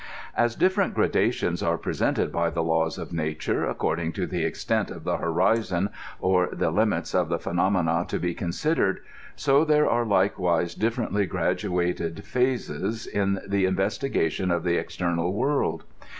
As different gradations are presented by the laws of nature according to the ex|ent of the horizon, or the limits of the phenomena to be considered, so there are likewise dif ferently graduated phases in the investigation of the external world.